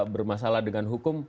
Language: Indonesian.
bermasalah dengan hukum